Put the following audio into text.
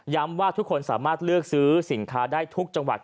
ว่าทุกคนสามารถเลือกซื้อสินค้าได้ทุกจังหวัด